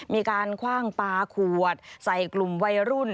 มีการคว่างปลาขวดใส่กลุ่มวัยรุ่น